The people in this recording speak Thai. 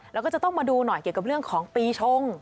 แล้วก็จะต้องมาดูหน่อยเกี่ยวกับเรื่องของปีชง